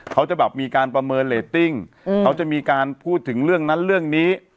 เขาจะแบบมีการประเมินเรตติ้งเขาจะมีการพูดถึงเรื่องนั้นเรื่องนี้